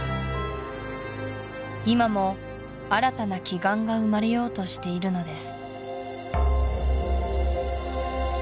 今も新たな奇岩が生まれようとしているのです